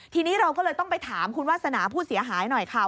ทีนี้เราก็เลยต้องไปถามคุณวาสนาผู้เสียหายหน่อยค่ะ